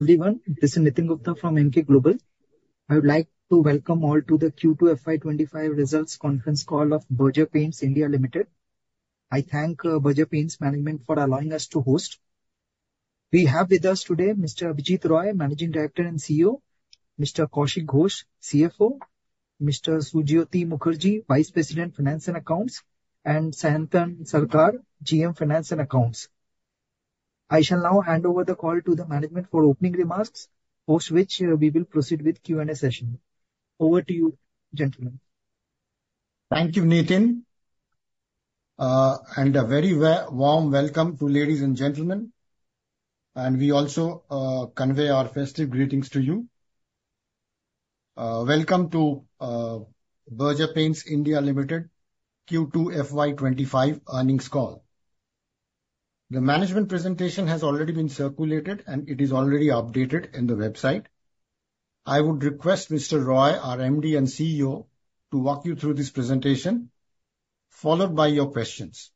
Everyone, this is Nitin Gupta from Emkay Global. I would like to welcome all to the Q2 FY25 results conference call of Berger Paints India Ltd. I thank Berger Paints Management for allowing us to host. We have with us today Mr. Abhijit Roy, Managing Director and CEO, Mr. Kaushik Ghosh, CFO, Mr. Sujyoti Mukherjee, Vice President Finance and Accounts, and Sanatan Sarkar, GM Finance and Accounts. I shall now hand over the call to the Management for opening remarks, post which we will proceed with Q&A session. Over to you, gentlemen. Thank you, Nitin. And a very warm welcome to ladies and gentlemen. And we also convey our festive greetings to you. Welcome to Berger Paints India Ltd. Q2 FY25 earnings call. The management presentation has already been circulated, and it is already updated on the website. I would request Mr. Roy, our MD and CEO, to walk you through this presentation, followed by your questions.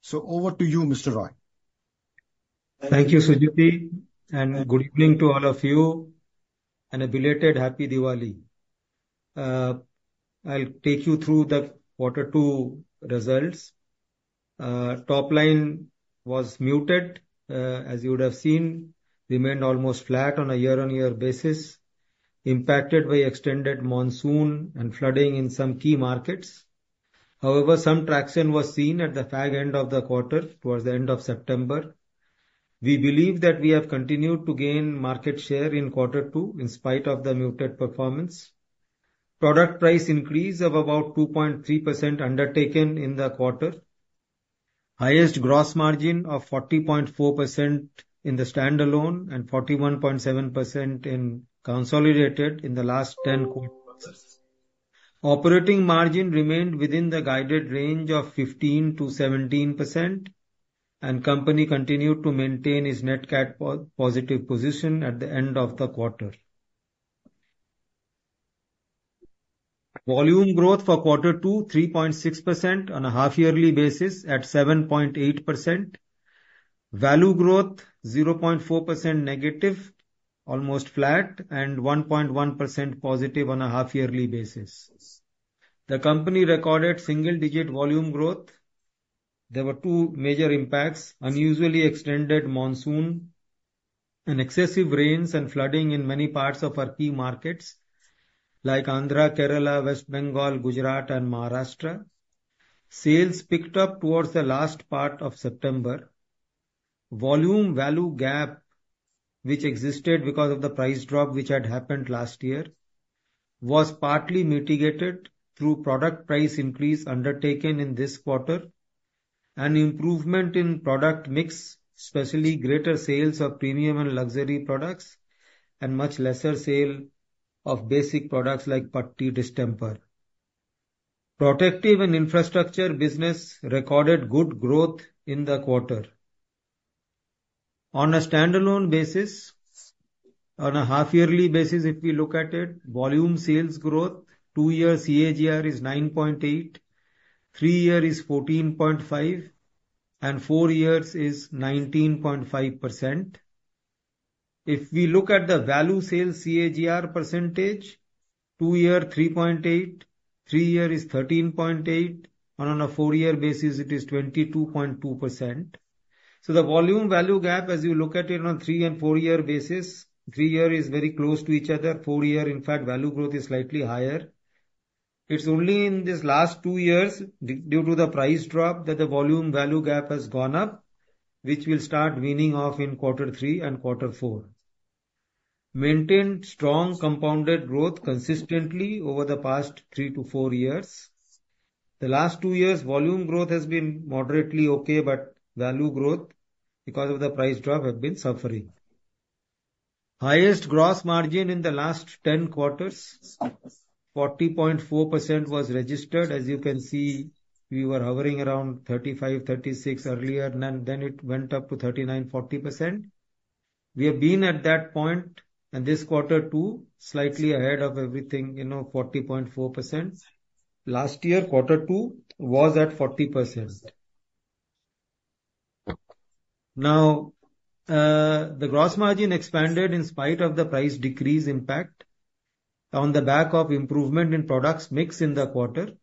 So over to you, Mr. Roy. Thank you, Sujyoti, and good evening to all of you, and a belated Happy Diwali. I'll take you through the quarter two results. Top line was muted, as you would have seen, remained almost flat on a year-on-year basis, impacted by extended monsoon and flooding in some key markets. However, some traction was seen at the fag end of the quarter towards the end of September. We believe that we have continued to gain market share in quarter two in spite of the muted performance. Product price increase of about 2.3% undertaken in the quarter. Highest gross margin of 40.4% in the standalone and 41.7% in consolidated in the last 10 quarters. Operating margin remained within the guided range of 15%-17%, and company continued to maintain its net cash positive position at the end of the quarter. Volume growth for quarter two, 3.6% on a half-yearly basis at 7.8%. Value growth, 0.4% negative, almost flat, and 1.1% positive on a half-yearly basis. The company recorded single-digit volume growth. There were two major impacts: unusually extended monsoon, and excessive rains and flooding in many parts of our key markets like Andhra, Kerala, West Bengal, Gujarat, and Maharashtra. Sales picked up towards the last part of September. Volume-value gap, which existed because of the price drop which had happened last year, was partly mitigated through product price increase undertaken in this quarter and improvement in product mix, especially greater sales of premium and luxury products and much lesser sale of basic products like putty distemper. Protective and infrastructure business recorded good growth in the quarter. On a standalone basis, on a half-yearly basis, if we look at it, volume sales growth, two-year CAGR is 9.8%, three-year is 14.5%, and four-year is 19.5%. If we look at the value sales CAGR percentage, two-year 3.8%, three-year is 13.8%, and on a four-year basis, it is 22.2%. So the volume-value gap, as you look at it on three- and four-year basis, three-year is very close to each other. Four-year, in fact, value growth is slightly higher. It's only in these last two years, due to the price drop, that the volume-value gap has gone up, which will start weaning off in quarter three and quarter four. Maintained strong compounded growth consistently over the past three to four years. The last two years, volume growth has been moderately okay, but value growth, because of the price drop, has been suffering. Highest gross margin in the last 10 quarters, 40.4% was registered. As you can see, we were hovering around 35%, 36% earlier, and then it went up to 39%, 40%. We have been at that point in this quarter two, slightly ahead of everything, you know, 40.4%. Last year, quarter two was at 40%. Now, the gross margin expanded in spite of the price decrease impact on the back of improvement in product mix in the quarter.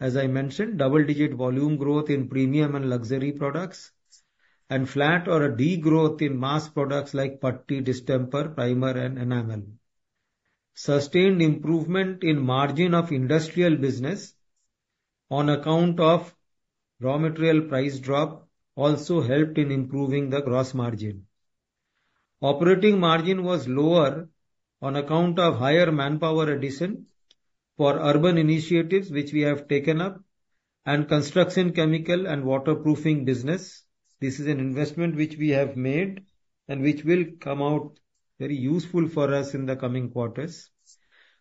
As I mentioned, double-digit volume growth in premium and luxury products and flat or a degrowth in mass products like putty distemper, primer, and enamel. Sustained improvement in margin of industrial business on account of raw material price drop also helped in improving the gross margin. Operating margin was lower on account of higher manpower addition for urban initiatives, which we have taken up, and construction chemical and waterproofing business. This is an investment which we have made and which will come out very useful for us in the coming quarters.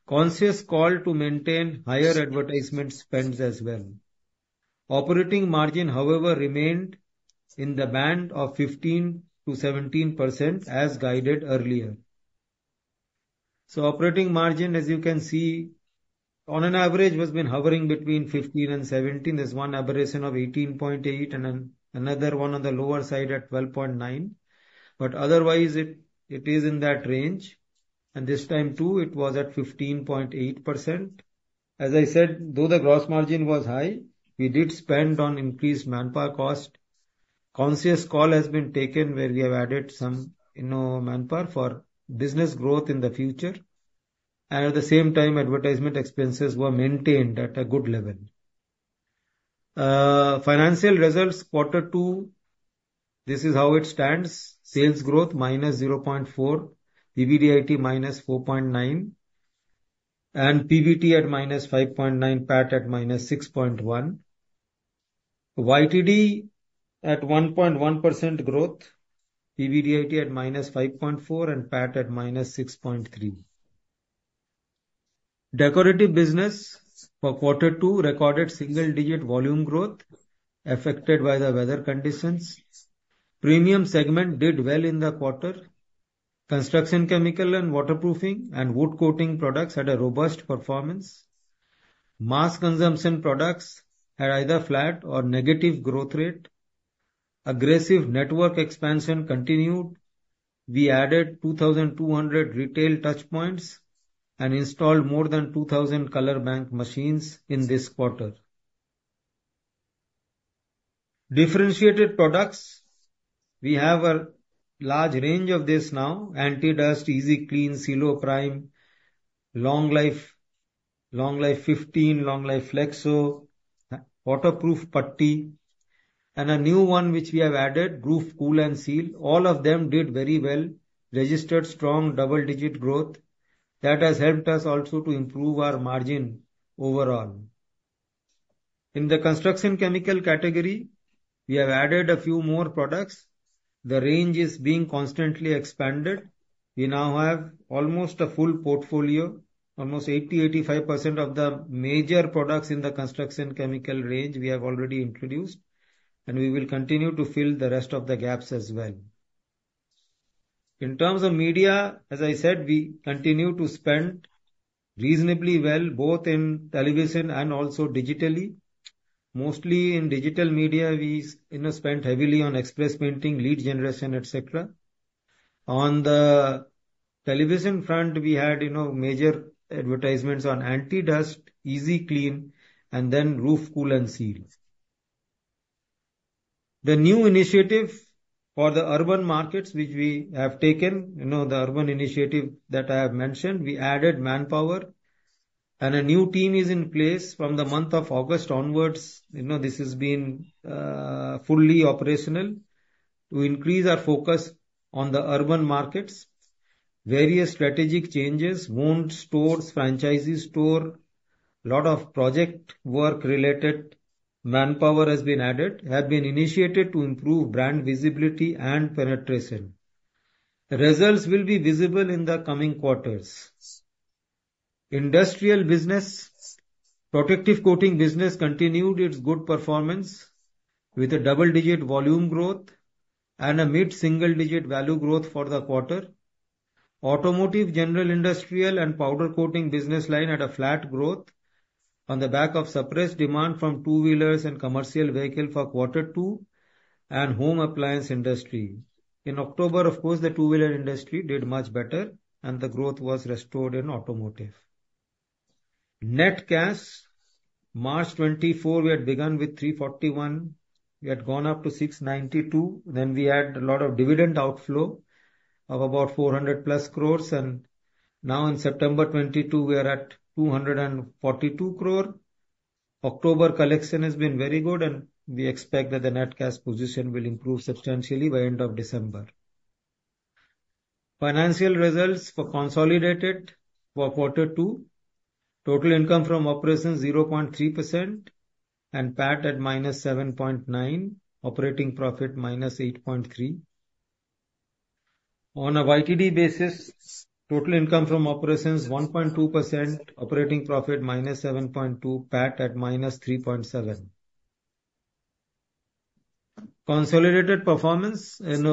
Conscious call to maintain higher advertisement spends as well. Operating margin, however, remained in the band of 15%-17% as guided earlier. So operating margin, as you can see, on an average, has been hovering between 15% and 17%. There's one aberration of 18.8% and another one on the lower side at 12.9%. But otherwise, it is in that range. And this time too, it was at 15.8%. As I said, though the gross margin was high, we did spend on increased manpower cost. Conscious call has been taken where we have added some manpower for business growth in the future. And at the same time, advertisement expenses were maintained at a good level. Financial results quarter two, this is how it stands. Sales growth minus 0.4%, EBITDA minus 4.9%, and PBT at minus 5.9%, PAT at minus 6.1%. YTD at 1.1% growth, EBITDA at minus 5.4%, and PAT at minus 6.3%. Decorative business for quarter two recorded single-digit volume growth affected by the weather conditions. Premium segment did well in the quarter. Construction chemicals and waterproofing and wood coating products had a robust performance. Mass consumption products had either flat or negative growth rate. Aggressive network expansion continued. We added 2,200 retail touch points and installed more than 2,000 ColorBank machines in this quarter. Differentiated products, we have a large range of this now: Anti Dustt, Easy Clean, Seal-O-Prime, Long Life 15, Long Life Flexo, Waterproof Putty, and a new one which we have added, Roof Kool & Seal. All of them did very well, registered strong double-digit growth. That has helped us also to improve our margin overall. In the construction chemical category, we have added a few more products. The range is being constantly expanded. We now have almost a full portfolio, almost 80%-85% of the major products in the construction chemical range we have already introduced, and we will continue to fill the rest of the gaps as well. In terms of media, as I said, we continue to spend reasonably well, both in television and also digitally. Mostly in digital media, we spent heavily on Express Painting, lead generation, etc. On the television front, we had major advertisements on Anti Dustt, Easy Clean, and then Roof Kool & Seal. The new initiative for the urban markets which we have taken, the urban initiative that I have mentioned, we added manpower, and a new team is in place from the month of August onwards. This has been fully operational to increase our focus on the urban markets. Various strategic changes, own stores, franchisee store, a lot of project work related manpower has been added, have been initiated to improve brand visibility and penetration. Results will be visible in the coming quarters. Industrial business, protective coating business continued its good performance with a double-digit volume growth and a mid-single-digit value growth for the quarter. Automotive, general industrial, and powder coating business line had a flat growth on the back of suppressed demand from two-wheelers and commercial vehicles for quarter two and home appliance industry. In October, of course, the two-wheeler industry did much better, and the growth was restored in automotive. Net cash, March 2024, we had begun with 341. We had gone up to 692. Then we had a lot of dividend outflow of about 400 plus crores. Now in September 2022, we are at 242 crores. October collection has been very good, and we expect that the net cash position will improve substantially by end of December. Financial results for consolidated for quarter two, total income from operations 0.3% and PAT at -7.9%, operating profit -8.3%. On a YTD basis, total income from operations 1.2%, operating profit -7.2%, PAT at -3.7%. Consolidated performance in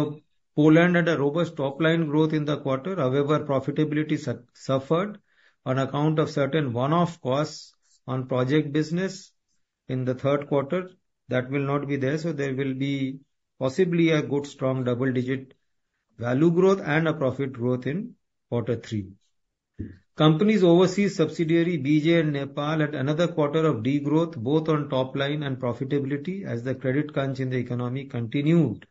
Poland had a robust top line growth in the quarter. However, profitability suffered on account of certain one-off costs on project business in the third quarter. That will not be there. So there will be possibly a good strong double-digit value growth and a profit growth in quarter three. Company's overseas subsidiary BJN Nepal had another quarter of degrowth, both on top line and profitability as the credit crunch in the economy continued.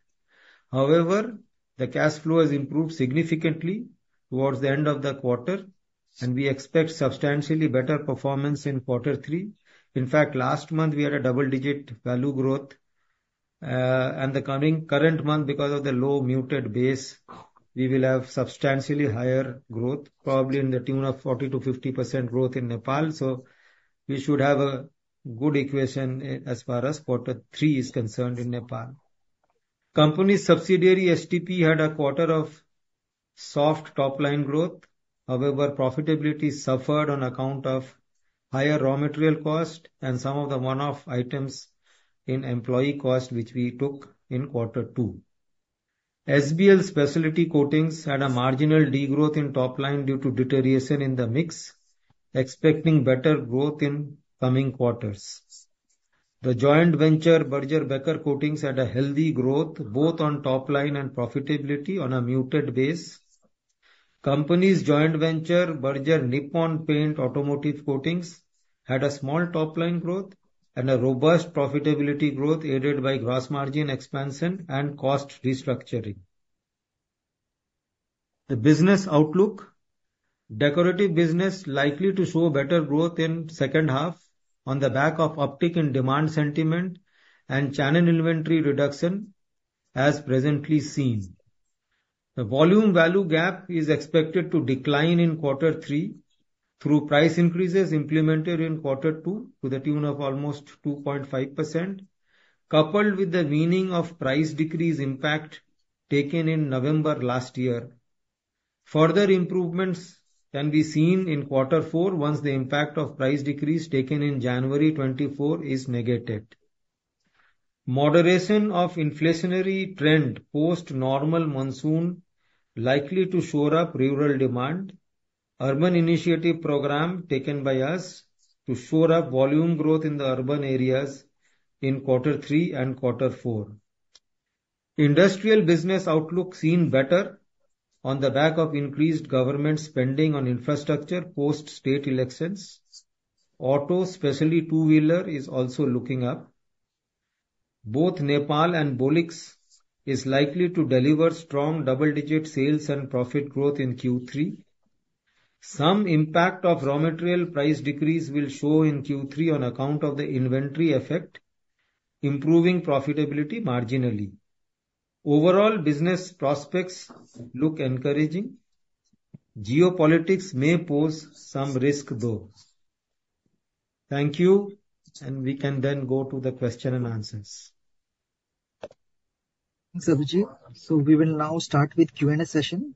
However, the cash flow has improved significantly towards the end of the quarter, and we expect substantially better performance in quarter three. In fact, last month we had a double-digit value growth, and the coming current month, because of the low muted base, we will have substantially higher growth, probably in the tune of 40%-50% growth in Nepal, so we should have a good equation as far as quarter three is concerned in Nepal. Company subsidiary STP had a quarter of soft top line growth. However, profitability suffered on account of higher raw material cost and some of the one-off items in employee cost which we took in quarter two. SBL Specialty Coatings had a marginal degrowth in top line due to deterioration in the mix, expecting better growth in coming quarters. The joint venture Berger Becker Coatings had a healthy growth, both on top line and profitability on a muted base. The company's joint venture Berger Nippon Paint Automotive Coatings had a small top line growth and a robust profitability growth aided by gross margin expansion and cost restructuring. The business outlook, decorative business likely to show better growth in second half on the back of uptick in demand sentiment and channel inventory reduction as presently seen. The volume-value gap is expected to decline in quarter three through price increases implemented in quarter two to the tune of almost 2.5%, coupled with the waning of price decrease impact taken in November last year. Further improvements can be seen in quarter four once the impact of price decrease taken in January 2024 is negative. Moderation of inflationary trend post-normal monsoon likely to shore up rural demand. Urban initiative program taken by us to shore up volume growth in the urban areas in quarter three and quarter four. Industrial business outlook seen better on the back of increased government spending on infrastructure post-state elections. Auto, especially two-wheeler, is also looking up. Both Nepal and Bolix is likely to deliver strong double-digit sales and profit growth in Q3. Some impact of raw material price decrease will show in Q3 on account of the inventory effect, improving profitability marginally. Overall, business prospects look encouraging. Geopolitics may pose some risk, though. Thank you. And we can then go to the question and answers. Thanks, Abhijit. So we will now start with Q&A session.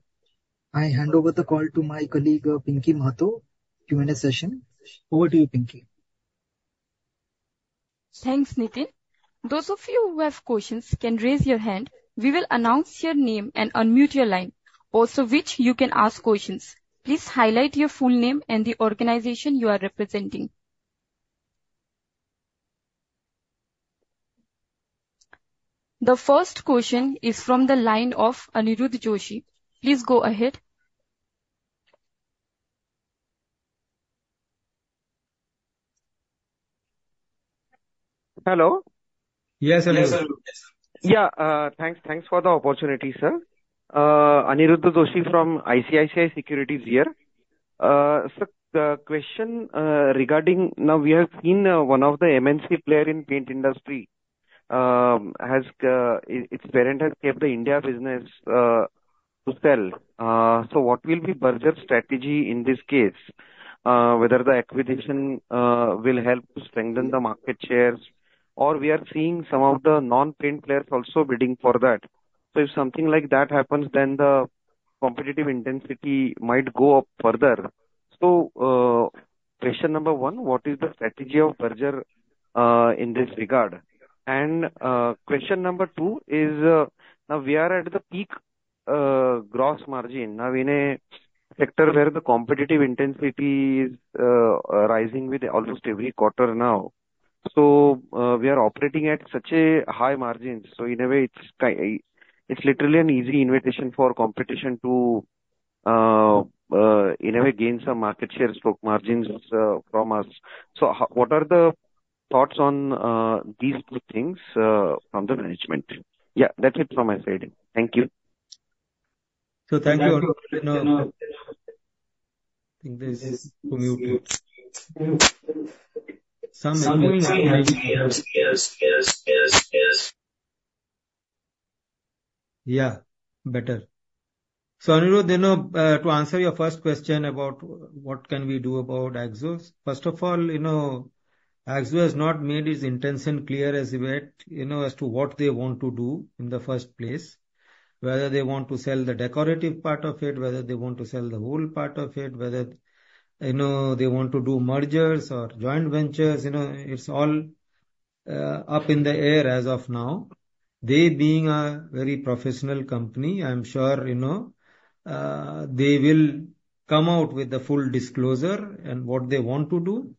I hand over the call to my colleague, Pinky Mahto. Q&A session. Over to you, Pinky. Thanks, Nitin. Those of you who have questions can raise your hand. We will announce your name and unmute your line, also which you can ask questions. Please highlight your full name and the organization you are representing. The first question is from the line of Aniruddh Joshi. Please go ahead. Hello? Yes, hello. Yes, hello. Yeah, thanks for the opportunity, sir. Aniruddh Joshi from ICICI Securities here. Sir, the question regarding now we have seen one of the MNC player in paint industry has its parent has kept the India business to sell. So what will be Berger's strategy in this case? Whether the acquisition will help strengthen the market shares, or we are seeing some of the non-paint players also bidding for that. So if something like that happens, then the competitive intensity might go up further. So question number one, what is the strategy of Berger in this regard? And question number two is now we are at the peak gross margin. Now in a sector where the competitive intensity is rising with almost every quarter now. So we are operating at such a high margins. So in a way, it's literally an easy invitation for competition to in a way gain some market share or margins from us. So what are the thoughts on these two things from the management? Yeah, that's it from my side. Thank you. So thank you. Yeah, better. Aniruddh, to answer your first question about what can we do about Akzo, first of all, Akzo has not made its intention clear as yet as to what they want to do in the first place, whether they want to sell the decorative part of it, whether they want to sell the whole part of it, whether they want to do mergers or joint ventures. It's all up in the air as of now. They being a very professional company, I'm sure they will come out with the full disclosure and what they want to do.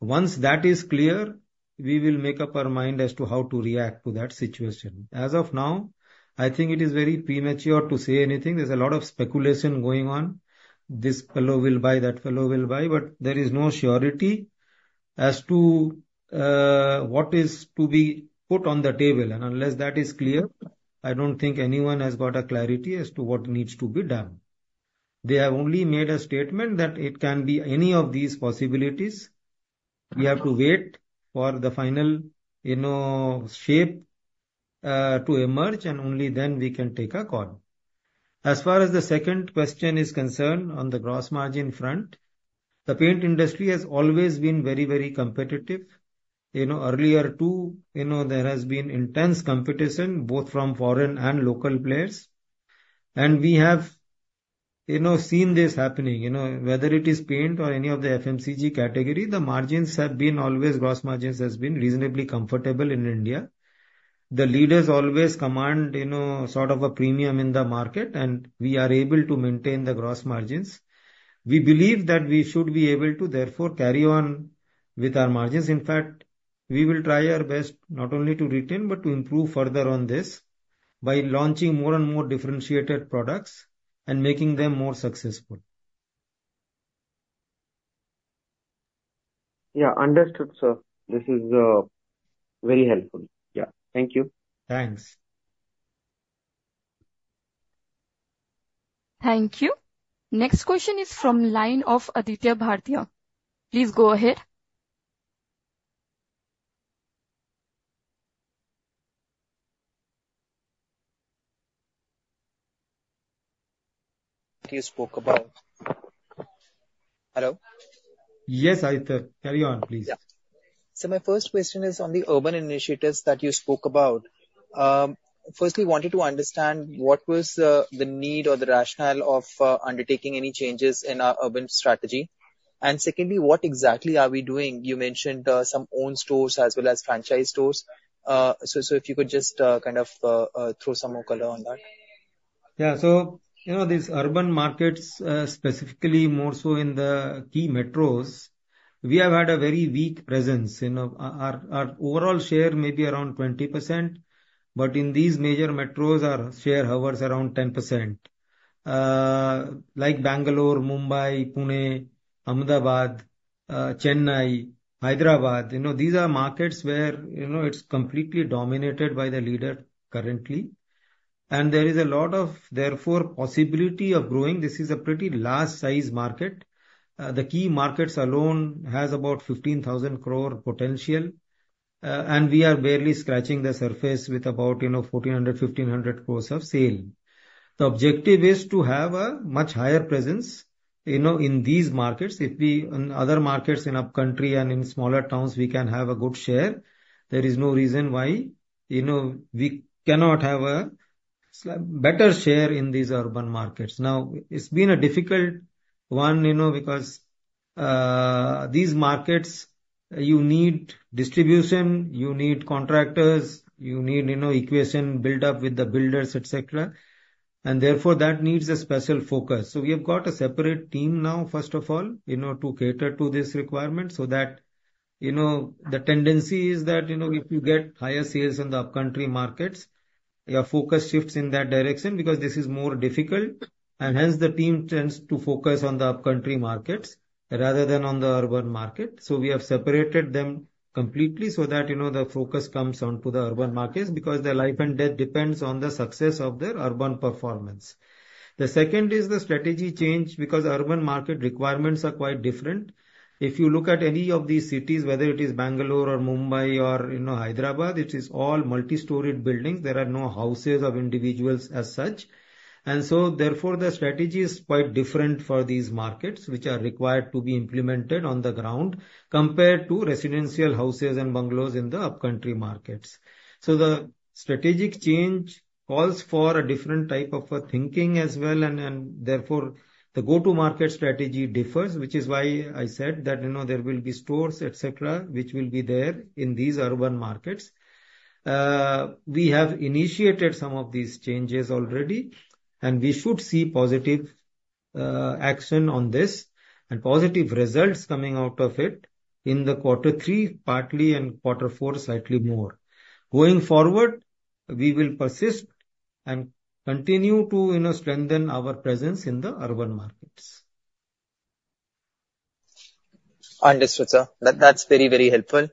Once that is clear, we will make up our mind as to how to react to that situation. As of now, I think it is very premature to say anything. There's a lot of speculation going on. This fellow will buy, that fellow will buy, but there is no surety as to what is to be put on the table, and unless that is clear, I don't think anyone has got a clarity as to what needs to be done. They have only made a statement that it can be any of these possibilities. We have to wait for the final shape to emerge, and only then we can take a call. As far as the second question is concerned on the gross margin front, the paint industry has always been very, very competitive. Earlier too, there has been intense competition both from foreign and local players, and we have seen this happening. Whether it is paint or any of the FMCG category, gross margins have always been reasonably comfortable in India. The leaders always command sort of a premium in the market, and we are able to maintain the gross margins. We believe that we should be able to therefore carry on with our margins. In fact, we will try our best not only to retain, but to improve further on this by launching more and more differentiated products and making them more successful. Yeah, understood, sir. This is very helpful. Yeah, thank you. Thanks. Thank you. Next question is from line of Aditya Bhartia. Please go ahead. You spoke about. Hello? Yes, Aditya. Carry on, please. So my first question is on the urban initiatives that you spoke about. Firstly, I wanted to understand what was the need or the rationale of undertaking any changes in our urban strategy. And secondly, what exactly are we doing? You mentioned some own stores as well as franchise stores. So if you could just kind of throw some more color on that. Yeah, so these urban markets, specifically more so in the key metros, we have had a very weak presence. Our overall share may be around 20%, but in these major metros, our share hovers around 10%. Like Bangalore, Mumbai, Pune, Ahmedabad, Chennai, Hyderabad, these are markets where it's completely dominated by the leader currently. And there is a lot of, therefore, possibility of growing. This is a pretty large size market. The key markets alone have about 15,000 crore potential. And we are barely scratching the surface with about 1,400-1,500 crores of sale. The objective is to have a much higher presence in these markets. If we in other markets in our country and in smaller towns, we can have a good share, there is no reason why we cannot have a better share in these urban markets. Now, it's been a difficult one because these markets, you need distribution, you need contractors, you need equation built up with the builders, etc. And therefore, that needs a special focus. So we have got a separate team now, first of all, to cater to this requirement so that the tendency is that if you get higher sales in the upcountry markets, your focus shifts in that direction because this is more difficult. And hence, the team tends to focus on the upcountry markets rather than on the urban market. We have separated them completely so that the focus comes onto the urban markets because their life and death depends on the success of their urban performance. The second is the strategy change because urban market requirements are quite different. If you look at any of these cities, whether it is Bangalore or Mumbai or Hyderabad, it is all multi-story buildings. There are no houses of individuals as such. And so therefore, the strategy is quite different for these markets, which are required to be implemented on the ground compared to residential houses and bungalows in the upcountry markets. The strategic change calls for a different type of thinking as well. And therefore, the go-to-market strategy differs, which is why I said that there will be stores, etc., which will be there in these urban markets. We have initiated some of these changes already, and we should see positive action on this and positive results coming out of it in the quarter three, partly, and quarter four, slightly more. Going forward, we will persist and continue to strengthen our presence in the urban markets. Understood, sir. That's very, very helpful.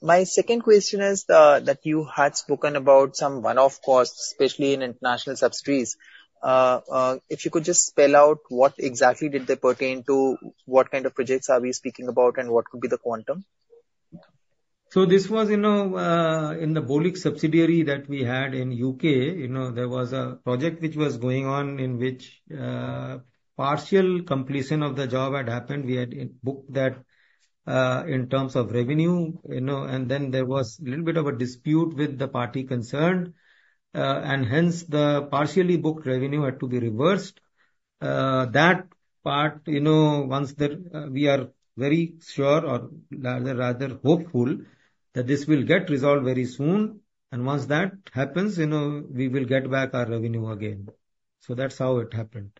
My second question is that you had spoken about some one-off costs, especially in international subsidiaries. If you could just spell out what exactly did they pertain to, what kind of projects are we speaking about, and what could be the quantum? So this was in the Bolix subsidiary that we had in the UK. There was a project which was going on in which partial completion of the job had happened. We had booked that in terms of revenue. And then there was a little bit of a dispute with the party concerned. And hence, the partially booked revenue had to be reversed. That part, once we are very sure or rather hopeful that this will get resolved very soon. And once that happens, we will get back our revenue again. So that's how it happened.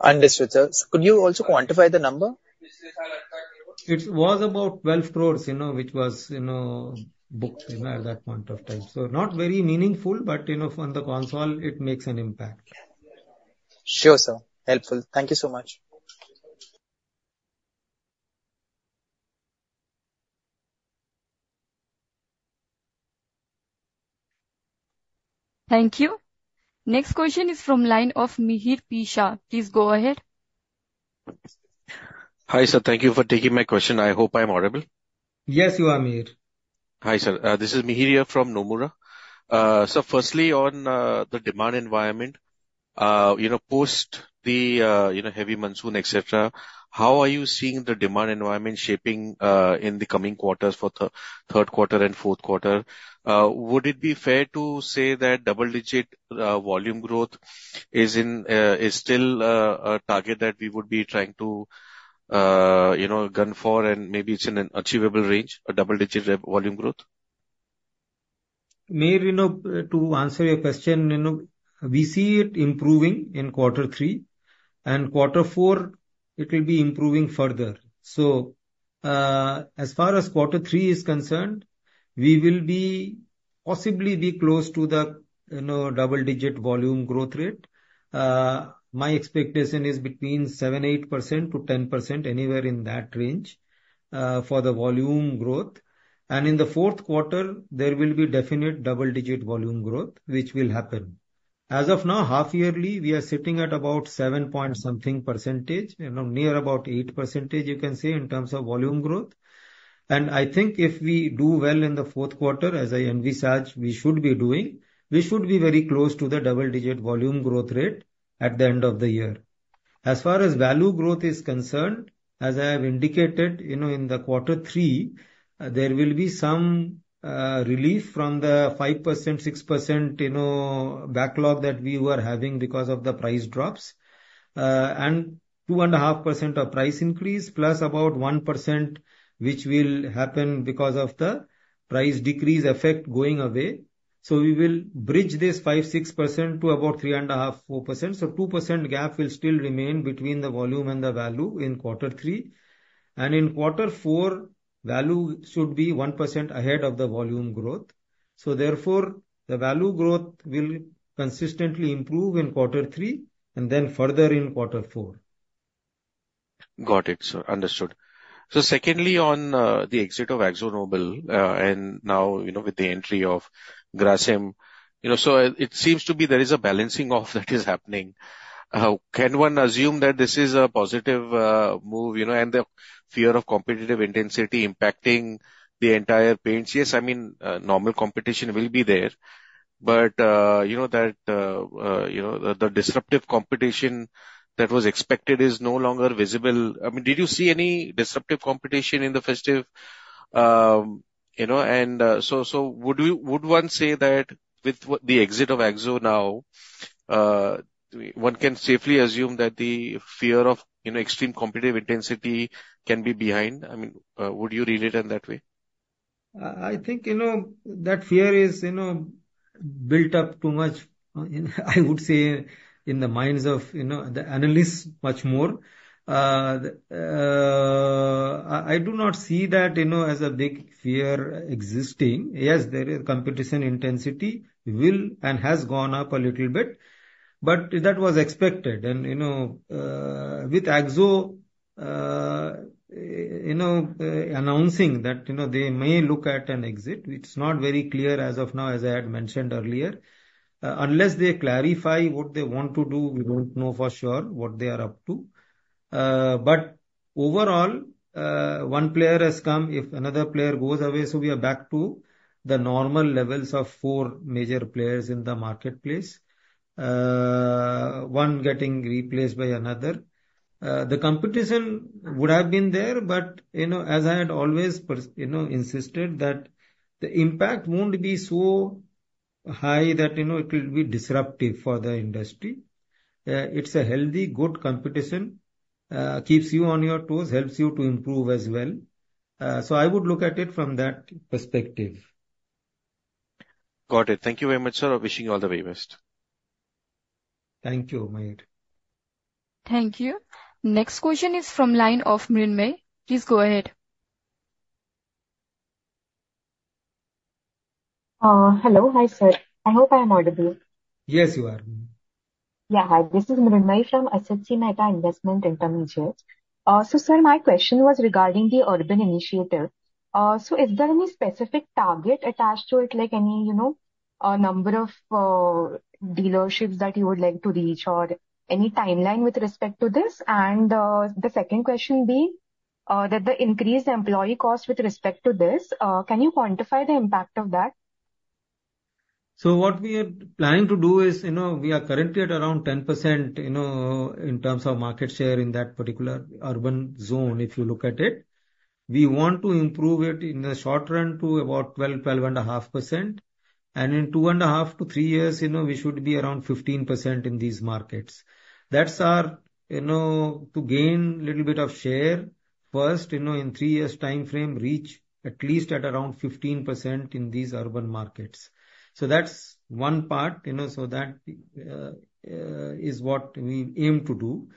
Understood, sir. So could you also quantify the number? It was about 12 crores, which was booked at that point of time. So not very meaningful, but on the console, it makes an impact. Sure, sir. Helpful. Thank you so much. Thank you. Next question is from line of Mihir Shah. Please go ahead. Hi, sir. Thank you for taking my question. I hope I'm audible. Yes, you are, Mihir. Hi, sir. This is Mihir here from Nomura. Firstly, on the demand environment, post the heavy monsoon, etc., how are you seeing the demand environment shaping in the coming quarters for the third quarter and fourth quarter? Would it be fair to say that double-digit volume growth is still a target that we would be trying to gun for, and maybe it's in an achievable range, a double-digit volume growth? Mihir, to answer your question, we see it improving in quarter three. Quarter four, it will be improving further. As far as quarter three is concerned, we will possibly be close to the double-digit volume growth rate. My expectation is between 7%-10%, anywhere in that range for the volume growth. In the fourth quarter, there will be definite double-digit volume growth, which will happen. As of now, half-yearly, we are sitting at about 7-point-something %, near about 8%, you can say, in terms of volume growth. And I think if we do well in the fourth quarter, as I envisage we should be doing, we should be very close to the double-digit volume growth rate at the end of the year. As far as value growth is concerned, as I have indicated in the quarter three, there will be some relief from the 5%-6% backlog that we were having because of the price drops, and 2.5% of price increase, plus about 1%, which will happen because of the price decrease effect going away. So we will bridge this 5%-6% to about 3.5%-4%. So 2% gap will still remain between the volume and the value in quarter three. And in quarter four, value should be 1% ahead of the volume growth. So therefore, the value growth will consistently improve in quarter three and then further in quarter four. Got it, sir. Understood. So secondly, on the exit of AkzoNobel and now with the entry of Grasim, so it seems to be there is a balancing off that is happening. Can one assume that this is a positive move and the fear of competitive intensity impacting the entire paints? Yes, I mean, normal competition will be there. But that the disruptive competition that was expected is no longer visible. I mean, did you see any disruptive competition in the festive? And so would one say that with the exit of Akzo now, one can safely assume that the fear of extreme competitive intensity can be behind? I mean, would you relate it in that way? I think that fear is built up too much, I would say, in the minds of the analysts much more. I do not see that as a big fear existing. Yes, there is competition intensity and has gone up a little bit. But that was expected. And with Akzo announcing that they may look at an exit, it's not very clear as of now, as I had mentioned earlier. Unless they clarify what they want to do, we don't know for sure what they are up to. But overall, one player has come. If another player goes away, so we are back to the normal levels of four major players in the marketplace, one getting replaced by another. The competition would have been there, but as I had always insisted that the impact won't be so high that it will be disruptive for the industry. It's a healthy, good competition. Keeps you on your toes, helps you to improve as well. So I would look at it from that perspective. Got it. Thank you very much, sir. Wishing you all the very best. Thank you, Mihir. Thank you. Next question is from line of Mrunmayee. Please go ahead. Hello. Hi, sir. I hope I am audible. Yes, you are. Yeah, hi. This is Mrunmayee from Asit Mehta Investment Intermediates. So, sir, my question was regarding the urban initiative. So is there any specific target attached to it, like any number of dealerships that you would like to reach or any timeline with respect to this? And the second question being that the increased employee cost with respect to this, can you quantify the impact of that? What we are planning to do is we are currently at around 10% in terms of market share in that particular urban zone, if you look at it. We want to improve it in the short run to about 12%-12.5%. In two and a half to three years, we should be around 15% in these markets. That's our aim to gain a little bit of share first in three years' time frame, reach at least at around 15% in these urban markets. That's one part. That is what we aim to do.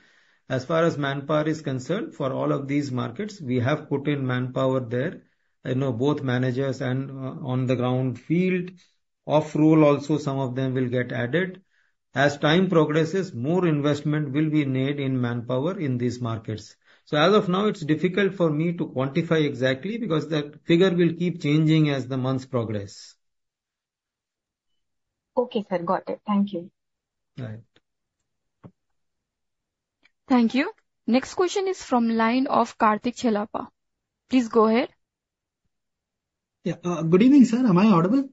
As far as manpower is concerned, for all of these markets, we have put in manpower there, both managers and on-the-ground field. Overhead, also, some of them will get added. As time progresses, more investment will be made in manpower in these markets. So as of now, it's difficult for me to quantify exactly because that figure will keep changing as the months progress. Okay, sir. Got it. Thank you. All right. Thank you. Next question is from line of Karthik Chellappa. Please go ahead. Yeah. Good evening, sir. Am I audible?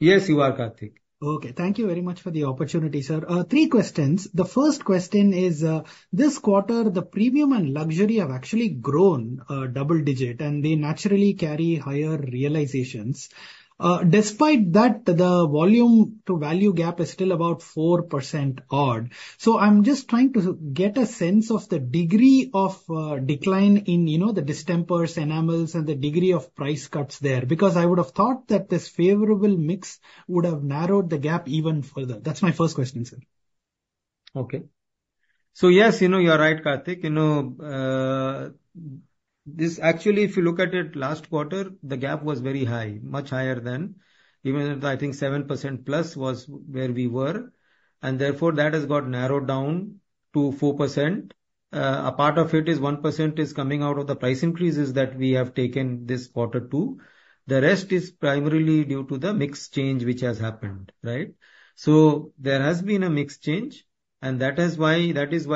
Yes, you are, Karthik. Okay. Thank you very much for the opportunity, sir. Three questions. The first question is, this quarter, the premium and luxury have actually grown double-digit, and they naturally carry higher realizations. Despite that, the volume-to-value gap is still about 4% odd. So I'm just trying to get a sense of the degree of decline in the distempers, enamels, and the degree of price cuts there because I would have thought that this favorable mix would have narrowed the gap even further. That's my first question, sir. Okay. So yes, you're right, Karthik. This actually, if you look at it last quarter, the gap was very high, much higher than. Even I think 7% plus was where we were. And therefore, that has got narrowed down to 4%. A part of it is 1% is coming out of the price increases that we have taken this quarter too. The rest is primarily due to the mix change which has happened, right? So there has been a mix change, and that is why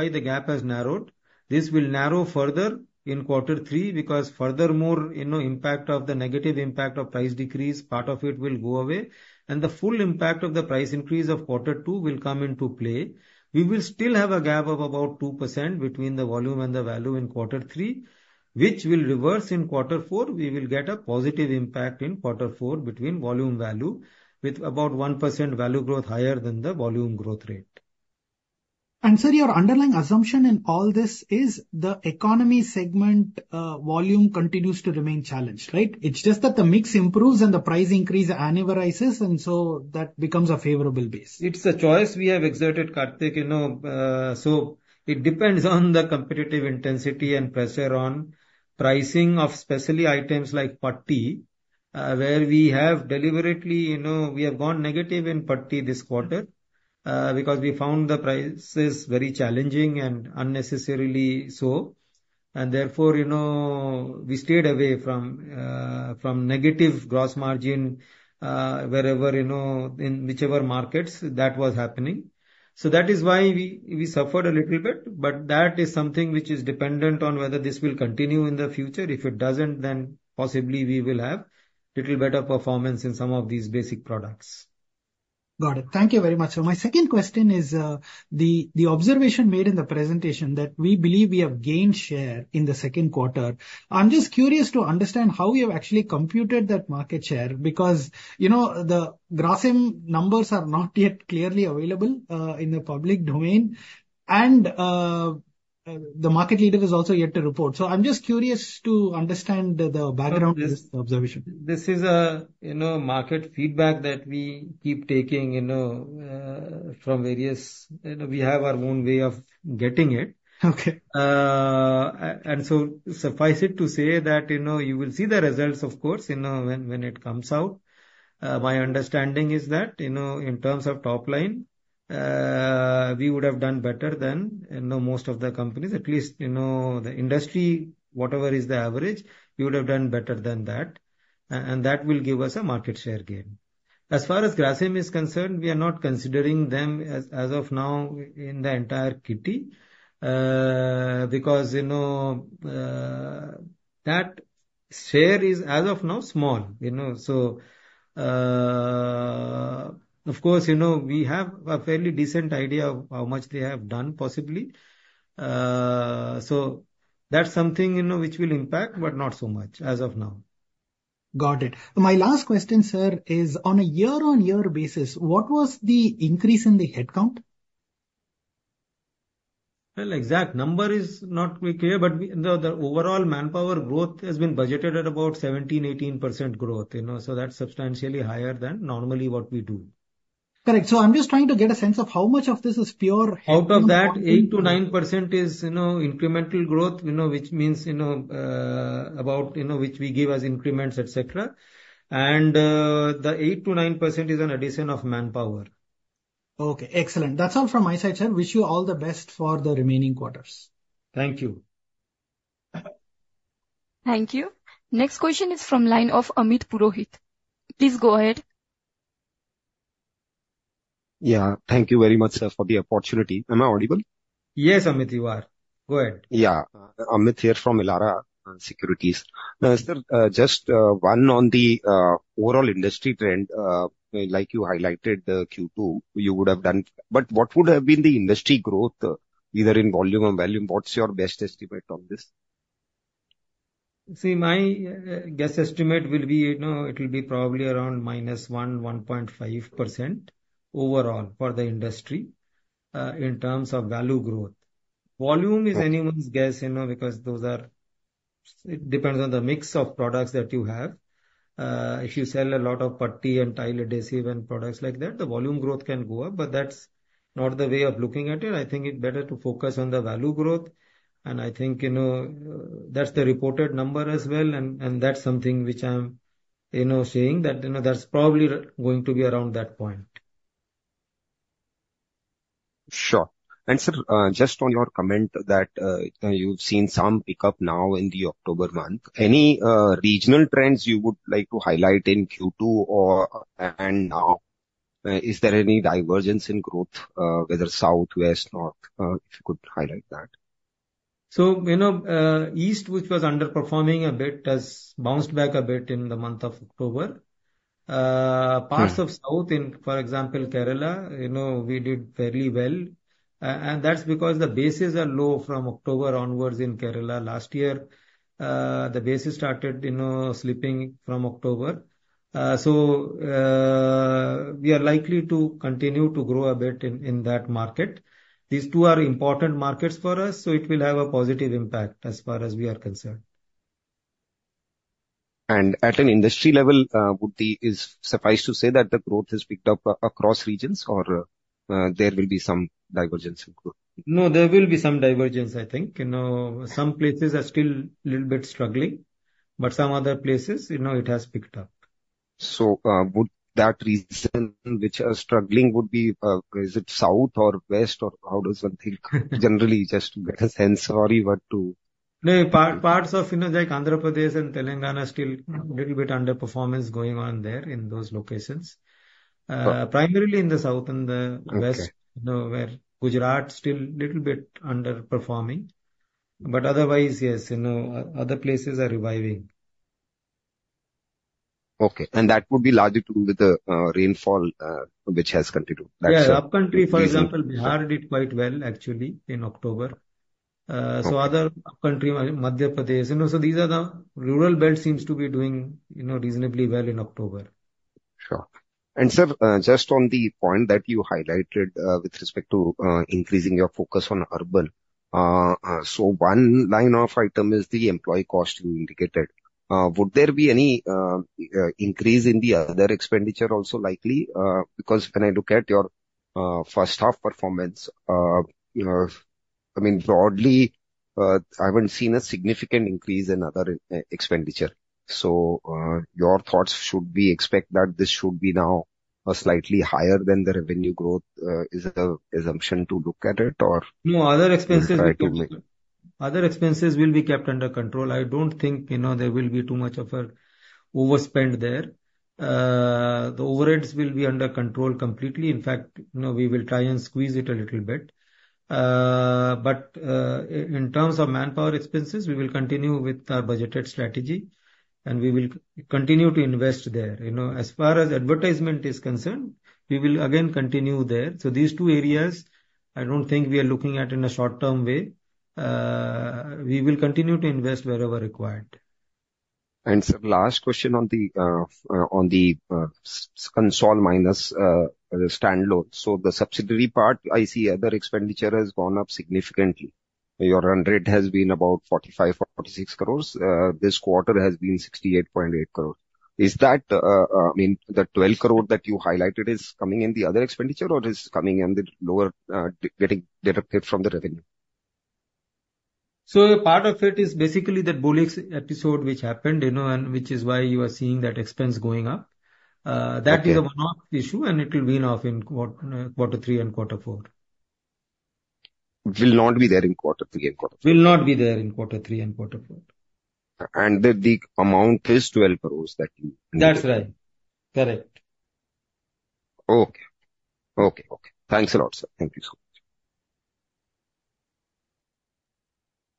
the gap has narrowed. This will narrow further in quarter three because furthermore, impact of the negative impact of price decrease, part of it will go away. And the full impact of the price increase of quarter two will come into play. We will still have a gap of about 2% between the volume and the value in quarter three, which will reverse in quarter four. We will get a positive impact in quarter four between volume and value with about 1% value growth higher than the volume growth rate. And sir, your underlying assumption in all this is the economy segment volume continues to remain challenged, right? It's just that the mix improves and the price increase anniversaries, and so that becomes a favorable base. It's a choice we have exercised, Karthik. So it depends on the competitive intensity and pressure on pricing of especially items like putty, where we have deliberately, we have gone negative in putty this quarter because we found the prices very challenging and unnecessarily so. And therefore, we stayed away from negative gross margin wherever, in whichever markets that was happening. So that is why we suffered a little bit. But that is something which is dependent on whether this will continue in the future. If it doesn't, then possibly we will have a little better performance in some of these basic products. Got it. Thank you very much. So my second question is the observation made in the presentation that we believe we have gained share in the second quarter. I'm just curious to understand how you have actually computed that market share because the Grasim numbers are not yet clearly available in the public domain, and the market leader has also yet to report. So I'm just curious to understand the background of this observation. This is a market feedback that we keep taking from various. We have our own way of getting it. And so suffice it to say that you will see the results, of course, when it comes out. My understanding is that in terms of top line, we would have done better than most of the companies, at least the industry, whatever is the average, we would have done better than that, and that will give us a market share gain. As far as Grasim is concerned, we are not considering them as of now in the entire kitty because that share is, as of now, small, so of course, we have a fairly decent idea of how much they have done, possibly, so that's something which will impact, but not so much as of now. Got it. My last question, sir, is on a year-on-year basis, what was the increase in the headcount? Well, exact number is not very clear, but the overall manpower growth has been budgeted at about 17%-18% growth, so that's substantially higher than normally what we do. Correct. So I'm just trying to get a sense of how much of this is pure headcount. Out of that, 8%-9% is incremental growth, which means about which we give as increments, etc. And the 8%-9% is an addition of manpower. Okay. Excellent. That's all from my side, sir. Wish you all the best for the remaining quarters. Thank you. Thank you. Next question is from line of Amit Purohit. Please go ahead. Yeah. Thank you very much, sir, for the opportunity. Am I audible? Yes, Amit, you are. Go ahead. Yeah. Amit here from Elara Securities. Sir, just one on the overall industry trend. Like you highlighted the Q2, you would have done. But what would have been the industry growth, either in volume or value? What's your best estimate on this? See, my guess estimate will be it will be probably around -1%-1.5% overall for the industry in terms of value growth. Volume is anyone's guess because it depends on the mix of products that you have. If you sell a lot of putty and tile adhesive and products like that, the volume growth can go up. But that's not the way of looking at it. I think it's better to focus on the value growth. And I think that's the reported number as well. And that's something which I'm saying that that's probably going to be around that point. Sure. And sir, just on your comment that you've seen some pickup now in the October month, any regional trends you would like to highlight in Q2 and now? Is there any divergence in growth, whether south, west, north? If you could highlight that. So east, which was underperforming a bit, has bounced back a bit in the month of October. Parts of south, for example, Kerala, we did fairly well. And that's because the bases are low from October onwards in Kerala. Last year, the bases started slipping from October. So we are likely to continue to grow a bit in that market. These two are important markets for us, so it will have a positive impact as far as we are concerned. And at an industry level, it suffices to say that the growth has picked up across regions, or there will be some divergence in growth? No, there will be some divergence, I think. Some places are still a little bit struggling, but some other places, it has picked up. So, would that reason which are struggling would be? Is it south or west, or how does one think generally just to get a sense? Sorry, what to? Parts of like Andhra Pradesh and Telangana still a little bit underperformance going on there in those locations. Primarily in the south and the west, where Gujarat is still a little bit underperforming. But otherwise, yes, other places are reviving. Okay. And that would be largely to do with the rainfall which has continued. Yeah. Upcountry, for example, Bihar did quite well, actually, in October. So other upcountry, Madhya Pradesh. So these are the rural belt seems to be doing reasonably well in October. Sure. And sir, just on the point that you highlighted with respect to increasing your focus on urban, so one line of item is the employee cost you indicated. Would there be any increase in the other expenditure also likely? Because when I look at your first-half performance, I mean, broadly, I haven't seen a significant increase in other expenditure. So your thoughts should be expect that this should be now slightly higher than the revenue growth is the assumption to look at it, or? No, other expenses will be kept under control. I don't think there will be too much of an overspend there. The overheads will be under control completely. In fact, we will try and squeeze it a little bit. But in terms of manpower expenses, we will continue with our budgeted strategy, and we will continue to invest there. As far as advertisement is concerned, we will again continue there. So these two areas, I don't think we are looking at in a short-term way. We will continue to invest wherever required. Sir, last question on the consolidated minus standalone. So the subsidiary part, I see other expenditure has gone up significantly. Your run rate has been about 45-46 crores. This quarter has been 68.8 crores. Is that, I mean, the 12 crores that you highlighted is coming in the other expenditure, or is it coming in the lower getting deducted from the revenue? So part of it is basically that Bolix episode which happened, which is why you are seeing that expense going up. That is a one-off issue, and it will wean off in quarter three and quarter four. Will not be there in quarter three and quarter four. And the amount is 12 crores that you? That's right. Correct. Okay. Okay. Okay. Thanks a lot, sir. Thank you so much.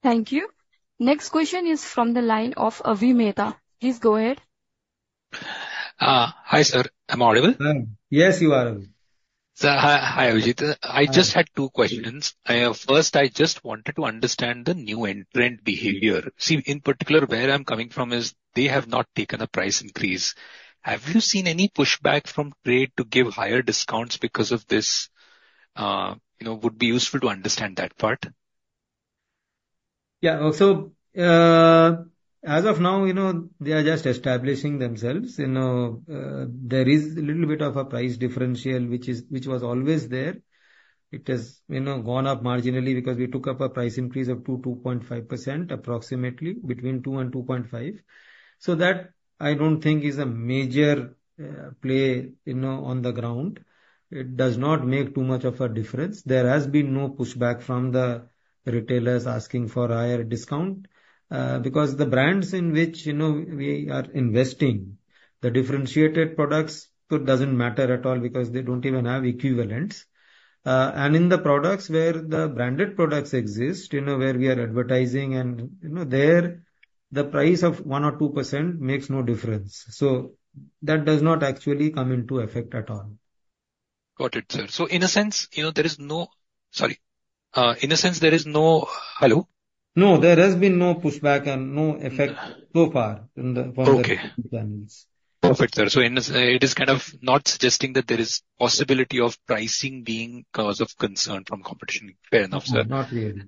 Thank you. Next question is from the line of Avi Mehta. Please go ahead. Hi, sir. Am I audible? Yes, you are audible. Sir, hi, Abhijit. I just had two questions. First, I just wanted to understand the new entrant behavior. See, in particular, where I'm coming from is they have not taken a price increase. Have you seen any pushback from trade to give higher discounts because of this? Would be useful to understand that part. Yeah. So as of now, they are just establishing themselves. There is a little bit of a price differential which was always there. It has gone up marginally because we took up a price increase of 2%-2.5%, approximately between 2% and 2.5%. So that I don't think is a major play on the ground. It does not make too much of a difference. There has been no pushback from the retailers asking for a higher discount because the brands in which we are investing, the differentiated products, it doesn't matter at all because they don't even have equivalents. And in the products where the branded products exist, where we are advertising, and there, the price of 1% or 2% makes no difference. So that does not actually come into effect at all. Got it, sir. So in a sense, there is no sorry. In a sense, there is no hello? No, there has been no pushback and no effect so far from the channels. Okay. Perfect, sir. So it is kind of not suggesting that there is possibility of pricing being cause of concern from competition. Fair enough, sir. Not really.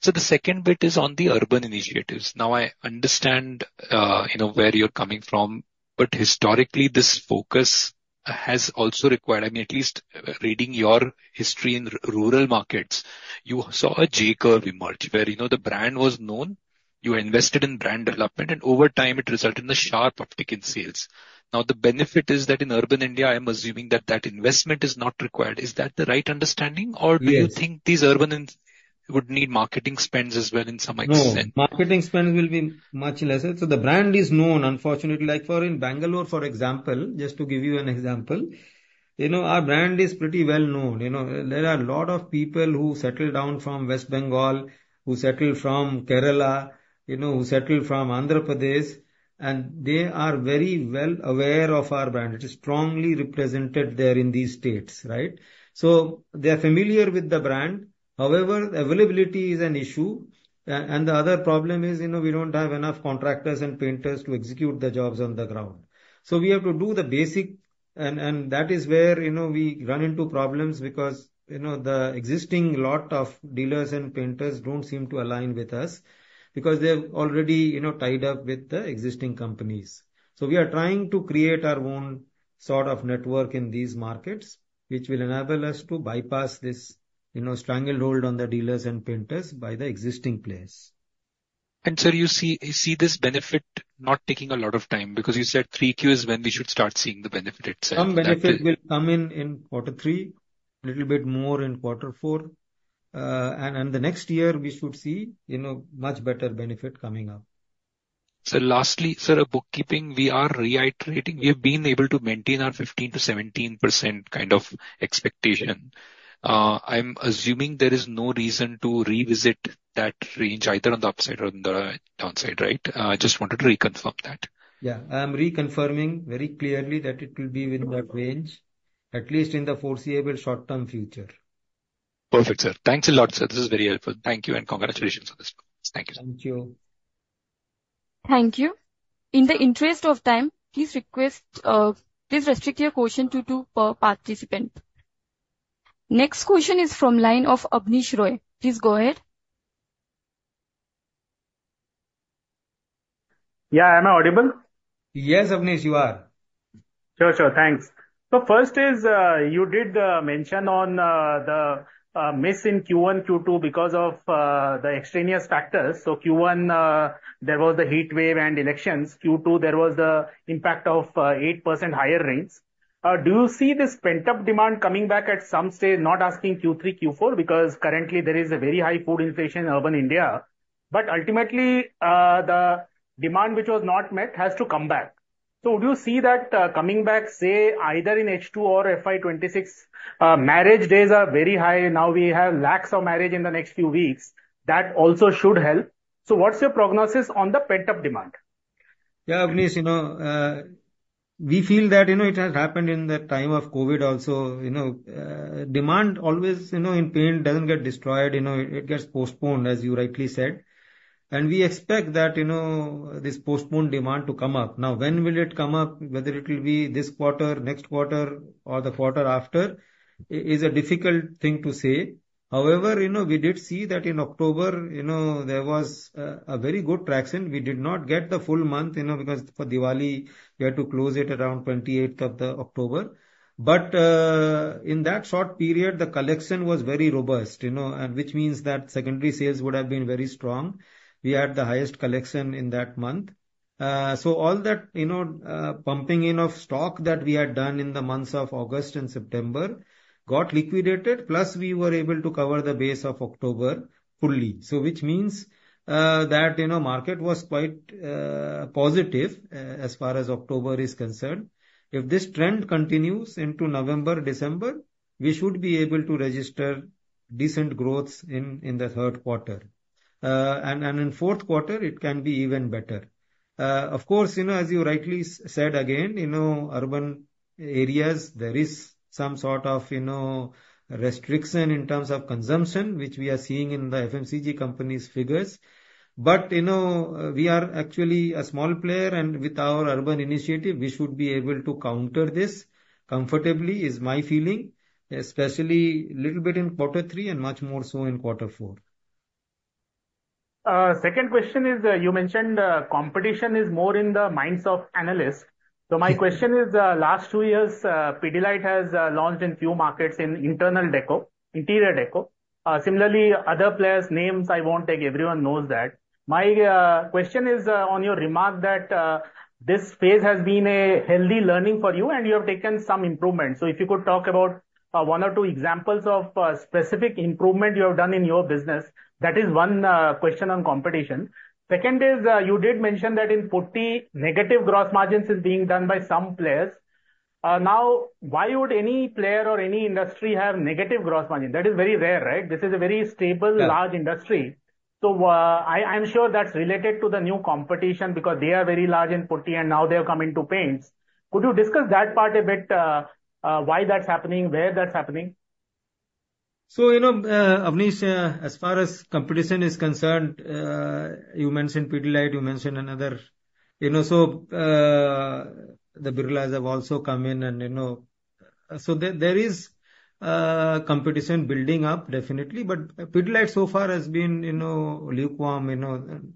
So the second bit is on the urban initiatives. Now, I understand where you're coming from, but historically, this focus has also required, I mean, at least reading your history in rural markets, you saw a J-curve emerge where the brand was known, you invested in brand development, and over time, it resulted in a sharp uptick in sales. Now, the benefit is that in urban India, I'm assuming that that investment is not required. Is that the right understanding, or do you think these urban would need marketing spends as well in some extent? No, marketing spends will be much lesser. So the brand is known, unfortunately. Like for in Bangalore, for example, just to give you an example, our brand is pretty well known. There are a lot of people who settled down from West Bengal, who settled from Kerala, who settled from Andhra Pradesh, and they are very well aware of our brand. It is strongly represented there in these states, right? So they are familiar with the brand. However, availability is an issue. And the other problem is we don't have enough contractors and painters to execute the jobs on the ground. So we have to do the basic, and that is where we run into problems because the existing lot of dealers and painters don't seem to align with us because they have already tied up with the existing companies. So we are trying to create our own sort of network in these markets, which will enable us to bypass this strangled hold on the dealers and painters by the existing players. And sir, you see this benefit not taking a lot of time because you said Q3 is when we should start seeing the benefit itself. Some benefit will come in quarter three, a little bit more in quarter four, and the next year, we should see much better benefit coming up. So lastly, sir, bookkeeping, we are reiterating. We have been able to maintain our 15% to 17% kind of expectation. I'm assuming there is no reason to revisit that range either on the upside or on the downside, right? I just wanted to reconfirm that. Yeah. I'm reconfirming very clearly that it will be within that range, at least in the foreseeable short-term future. Perfect, sir. Thanks a lot, sir. This is very helpful. Thank you and congratulations on this one. Thank you. Thank you. Thank you. In the interest of time, please restrict your question to two per participant. Next question is from line of Abneesh Roy. Please go ahead. Yeah. Am I audible? Yes, Abneesh, you are. Sure, sure. Thanks. So first is you did mention on the miss in Q1, Q2 because of the extraneous factors. So Q1, there was the heat wave and elections. Q2, there was the impact of 8% higher rains. Do you see this pent-up demand coming back at some stage, not asking Q3, Q4? Because currently, there is a very high food inflation in urban India. But ultimately, the demand which was not met has to come back. So would you see that coming back, say, either in H2 or FY26? Marriage days are very high. Now we have lakhs of marriages in the next few weeks. That also should help. So what's your prognosis on the pent-up demand? Yeah, Abneesh, we feel that it has happened in the time of COVID also. Demand always in paints doesn't get destroyed. It gets postponed, as you rightly said. And we expect that this postponed demand to come up. Now, when will it come up? Whether it will be this quarter, next quarter, or the quarter after is a difficult thing to say. However, we did see that in October, there was a very good traction. We did not get the full month because for Diwali, we had to close it around 28th of October. But in that short period, the collection was very robust, which means that secondary sales would have been very strong. We had the highest collection in that month. So all that pumping in of stock that we had done in the months of August and September got liquidated. Plus, we were able to cover the base of October fully, which means that market was quite positive as far as October is concerned. If this trend continues into November, December, we should be able to register decent growth in the third quarter, and in fourth quarter, it can be even better. Of course, as you rightly said, again, urban areas, there is some sort of restriction in terms of consumption, which we are seeing in the FMCG company's figures, but we are actually a small player, and with our urban initiative, we should be able to counter this comfortably, is my feeling, especially a little bit in quarter three and much more so in quarter four. Second question is you mentioned competition is more in the minds of analysts. So my question is, last two years, Pidilite has launched in few markets in internal deco, interior deco. Similarly, other players' names, I won't take, everyone knows that. My question is on your remark that this phase has been a healthy learning for you, and you have taken some improvements. So if you could talk about one or two examples of specific improvement you have done in your business, that is one question on competition. Second is you did mention that in Putty, negative gross margins are being done by some players. Now, why would any player or any industry have negative gross margin? That is very rare, right? This is a very stable, large industry. So I'm sure that's related to the new competition because they are very large in Putty, and now they have come into paints. Could you discuss that part a bit, why that's happening, where that's happening? So, Abneesh, as far as competition is concerned, you mentioned Pidilite, you mentioned another. So the Birlas have also come in, and so there is competition building up, definitely. But Pidilite so far has been lukewarm.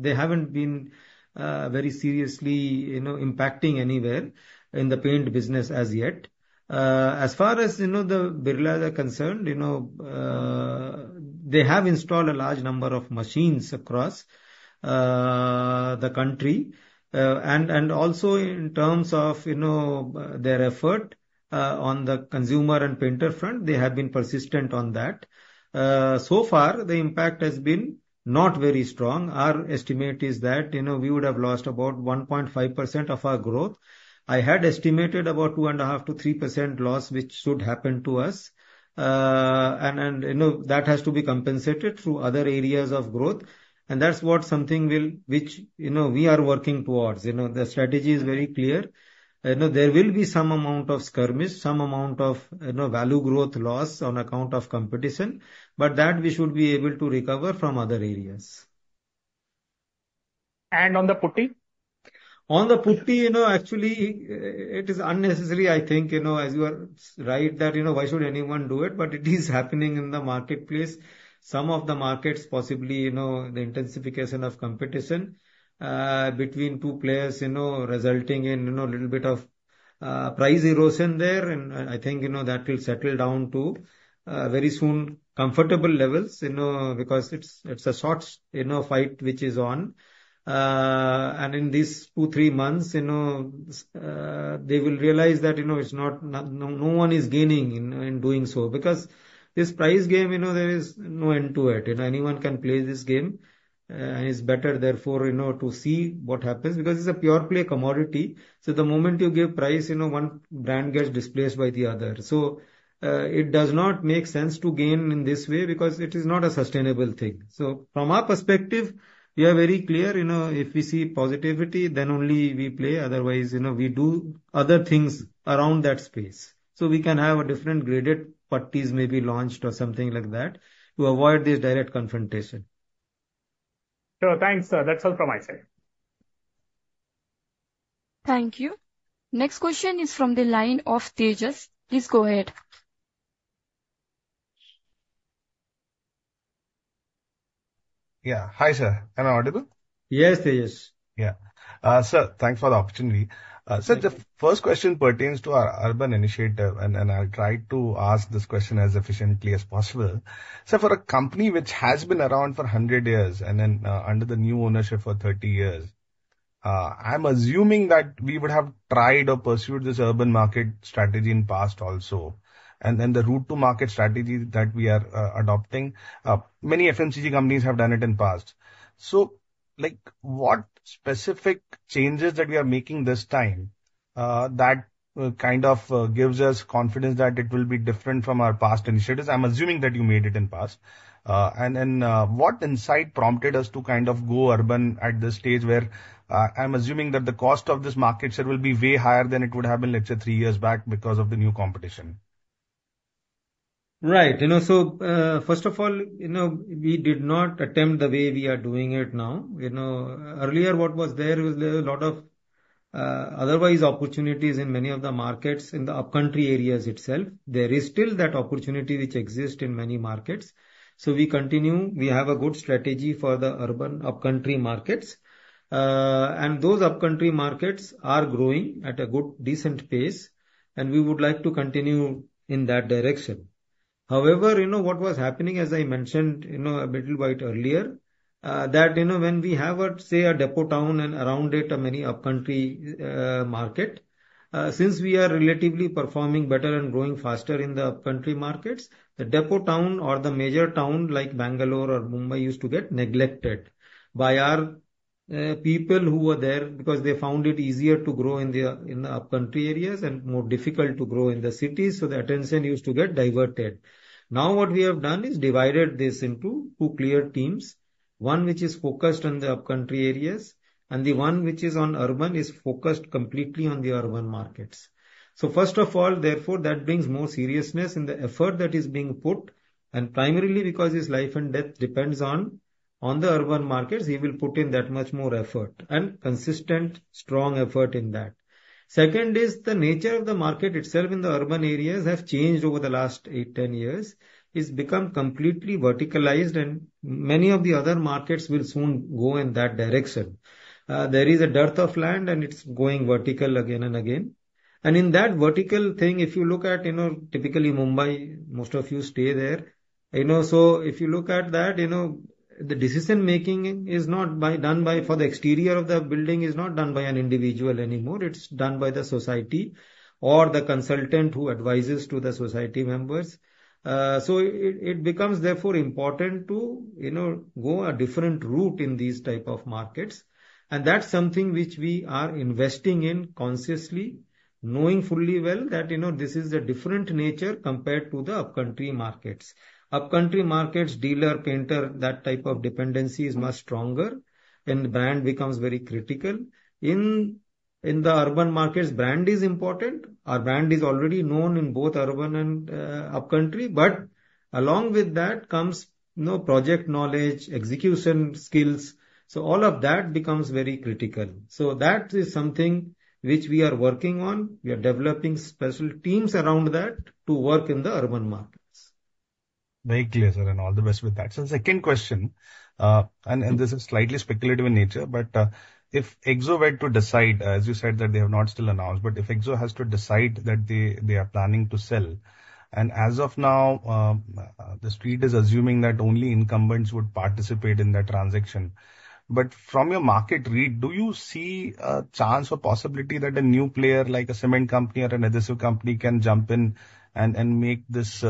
They haven't been very seriously impacting anywhere in the paint business as yet. As far as the Birlas are concerned, they have installed a large number of machines across the country. And also, in terms of their effort on the consumer and painter front, they have been persistent on that. So far, the impact has been not very strong. Our estimate is that we would have lost about 1.5% of our growth. I had estimated about 2.5%-3% loss, which should happen to us. And that has to be compensated through other areas of growth. And that's what something which we are working towards. The strategy is very clear. There will be some amount of skirmish, some amount of value growth loss on account of competition, but that we should be able to recover from other areas. And on the Putty? On the Putty, actually, it is unnecessary, I think, as you are right, that why should anyone do it? But it is happening in the marketplace. Some of the markets, possibly the intensification of competition between two players resulting in a little bit of price erosion there. And I think that will settle down to very soon comfortable levels because it's a short fight which is on. And in these two, three months, they will realize that no one is gaining in doing so because this price game, there is no end to it. Anyone can play this game, and it's better therefore to see what happens because it's a pure play commodity. So the moment you give price, one brand gets displaced by the other. So it does not make sense to gain in this way because it is not a sustainable thing. So from our perspective, we are very clear. If we see positivity, then only we play. Otherwise, we do other things around that space. So we can have different graded parties maybe launched or something like that to avoid this direct confrontation. Sure. Thanks, sir. That's all from my side. Thank you. Next question is from the line of Tejas. Please go ahead. Yeah. Hi, sir. Am I audible? Yes, Tejas. Yeah. Sir, thanks for the opportunity. Sir, the first question pertains to our urban initiative, and I'll try to ask this question as efficiently as possible. Sir, for a company which has been around for 100 years and then under the new ownership for 30 years, I'm assuming that we would have tried or pursued this urban market strategy in the past also, and then the route-to-market strategy that we are adopting, many FMCG companies have done it in the past, so what specific changes that we are making this time that kind of gives us confidence that it will be different from our past initiatives? I'm assuming that you made it in the past, and then what insight prompted us to kind of go urban at this stage where I'm assuming that the cost of this market share will be way higher than it would have been, let's say, three years back because of the new competition? Right, so first of all, we did not attempt the way we are doing it now. Earlier, what was there was a lot of other opportunities in many of the markets in the upcountry areas itself. There is still that opportunity which exists in many markets, so we continue. We have a good strategy for the urban upcountry markets, and those upcountry markets are growing at a good decent pace, and we would like to continue in that direction. However, what was happening, as I mentioned a little bit earlier, that when we have, say, a depot town and around it many upcountry markets, since we are relatively performing better and growing faster in the upcountry markets, the depot town or the major town like Bangalore or Mumbai used to get neglected by our people who were there because they found it easier to grow in the upcountry areas and more difficult to grow in the cities, so the attention used to get diverted. Now what we have done is divided this into two clear teams. One which is focused on the upcountry areas, and the one which is on urban is focused completely on the urban markets. So first of all, therefore, that brings more seriousness in the effort that is being put. And primarily because his life and death depends on the urban markets, he will put in that much more effort and consistent strong effort in that. Second is the nature of the market itself in the urban areas has changed over the last eight, 10 years. It's become completely verticalized, and many of the other markets will soon go in that direction. There is a dearth of land, and it's going vertical again and again. And in that vertical thing, if you look at typically Mumbai, most of you stay there. If you look at that, the decision-making for the exterior of the building is not done by an individual anymore. It's done by the society or the consultant who advises the society members. It becomes, therefore, important to go a different route in these types of markets. That's something which we are investing in consciously, knowing fully well that this is a different nature compared to the upcountry markets. Upcountry markets, dealer, painter, that type of dependency is much stronger, and brand becomes very critical. In the urban markets, brand is important. Our brand is already known in both urban and upcountry. But along with that comes project knowledge, execution skills. All of that becomes very critical. That is something which we are working on. We are developing special teams around that to work in the urban markets. Very clear, sir, and all the best with that. So second question, and this is slightly speculative in nature, but if Akzo were to decide, as you said, that they have not still announced, but if Akzo has to decide that they are planning to sell, and as of now, the street is assuming that only incumbents would participate in that transaction. But from your market read, do you see a chance or possibility that a new player like a cement company or an adhesive company can jump in and make this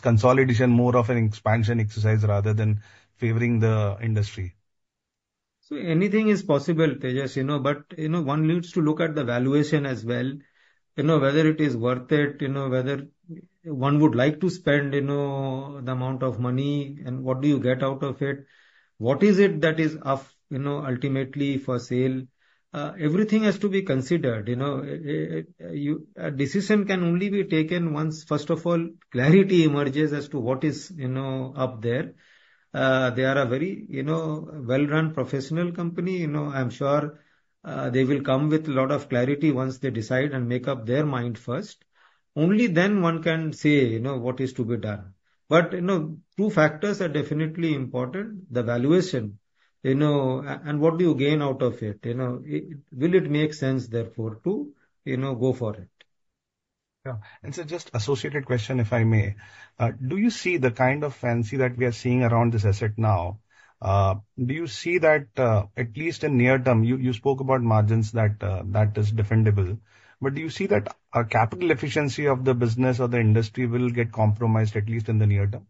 consolidation more of an expansion exercise rather than favoring the industry? So anything is possible, Tejas. But one needs to look at the valuation as well, whether it is worth it, whether one would like to spend the amount of money, and what do you get out of it? What is it that is up ultimately for sale? Everything has to be considered. A decision can only be taken once, first of all, clarity emerges as to what is up there. They are a very well-run professional company. I'm sure they will come with a lot of clarity once they decide and make up their mind first. Only then one can say what is to be done. But two factors are definitely important. The valuation and what do you gain out of it? Will it make sense, therefore, to go for it? Yeah. And so just associated question, if I may. Do you see the kind of frenzy that we are seeing around this asset now? Do you see that at least in near term? You spoke about margins that is defendable. But do you see that capital efficiency of the business or the industry will get compromised at least in the near term?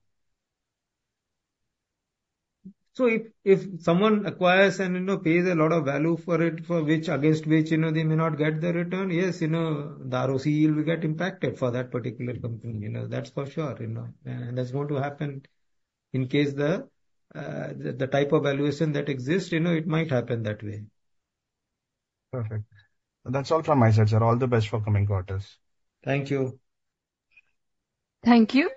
So if someone acquires and pays a lot of value for it, against which they may not get the return, yes, the ROCE will get impacted for that particular company. That's for sure. And that's going to happen in case the type of valuation that exists, it might happen that way. Perfect. That's all from my side, sir. All the best for coming quarters. Thank you. Thank you.